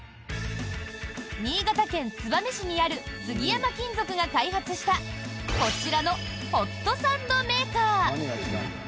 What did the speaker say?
新潟県燕市にある杉山金属が開発したこちらのホットサンドメーカー。